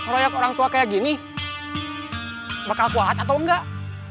royok orang tua kayak gini bakal kuahat atau enggak